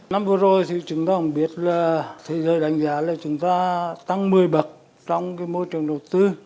năm vừa rồi thì chúng ta cũng biết là thế giới đánh giá là chúng ta tăng một mươi bậc trong môi trường đầu tư